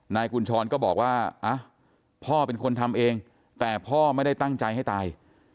กุญชรก็บอกว่าพ่อเป็นคนทำเองแต่พ่อไม่ได้ตั้งใจให้ตาย